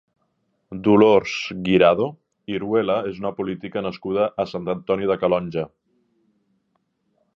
Dolors Guirado Iruela és una política nascuda a Sant Antoni de Calonge.